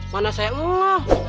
mana saya ngelah